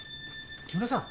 木村さん